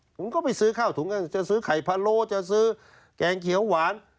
ผมก็ไปซื้อข้าวถุงก็จะซื้อไข่พะโล้จะซื้อแกงเขียวหวาน